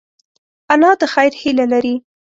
انا د خیر هیله لري